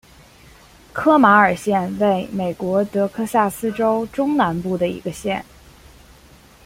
科马尔县位美国德克萨斯州中南部的一个县。